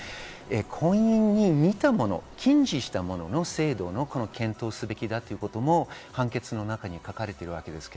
婚姻に似たもの、禁止したものの制度の検討をすべきだということも判決の中に書かれています。